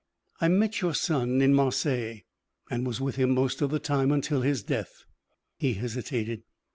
"I met your son in Marseilles and was with him most of the time until his death." He hesitated.